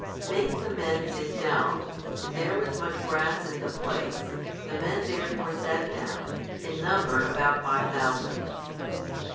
Make the men sit down: and there was much grass in the place: the men therefore sat down, in number about five thousand.